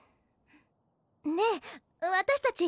ねえ私たち